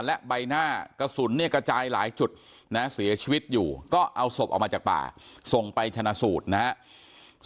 และใบหน้ากระสุนเนี่ยกระจายหลายจุดนะเสียชีวิตอยู่ก็เอาศพออกมาจากป่าส่งไปชนะสูตรนะครับ